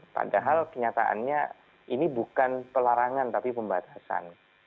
padahal kenyataannya ini bukan pelarangan tapi pembatasan